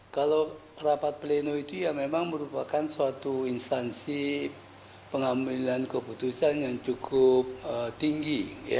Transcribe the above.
kalau rapat pleno itu ya memang merupakan suatu instansi pengambilan keputusan yang cukup tinggi